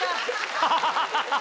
ハハハハ。